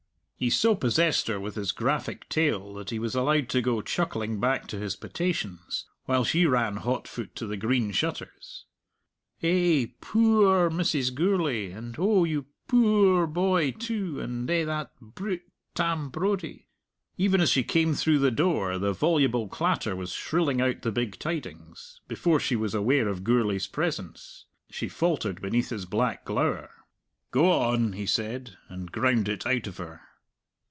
He so possessed her with his graphic tale that he was allowed to go chuckling back to his potations, while she ran hot foot to the Green Shutters. "Eh, poo oor Mrs. Gourlay; and oh, your poo oor boy, too; and eh, that brute Tam Brodie " Even as she came through the door the voluble clatter was shrilling out the big tidings, before she was aware of Gourlay's presence. She faltered beneath his black glower. "Go on!" he said, and ground it out of her.